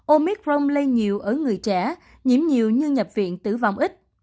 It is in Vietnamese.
omicron lây nhiều ở người trẻ nhiễm nhiều như nhập viện tử vong ít